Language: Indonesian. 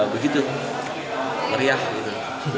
bandar judinya namanya